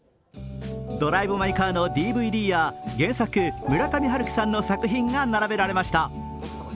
「ドライブ・マイ・カー」のＤＶＤや原作、村上春樹さんの作品が並べられました。